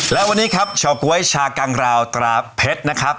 และวันนี้ครับเฉาก๊วยชากังราวตราเพชรนะครับ